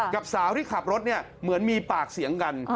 กับสาวที่ขับรถเหมือนมีเปล่าปากเสียงกัน